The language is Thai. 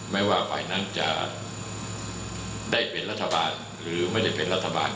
ไม่ว่าฝ่ายนั้นจะได้เป็นรัฐบาลหรือไม่ได้เป็นรัฐบาล